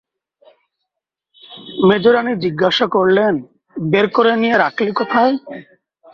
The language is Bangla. মোজারানী জিজ্ঞাসা করলেন, বের করে নিয়ে রাখলি কোথায়?